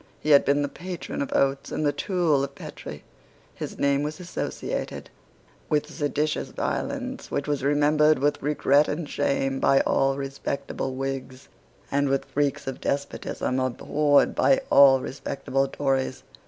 He had been the patron of Oates and the tool of Petre. His name was associated with seditious violence which was remembered with regret and shame by all respectable Whigs, and with freaks of despotism abhorred by all respectable Tories.